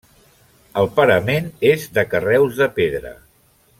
El parament és de carreus de pedra.